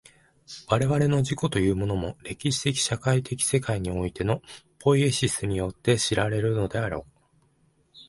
我々の自己というものも、歴史的社会的世界においてのポイエシスによって知られるのであろう。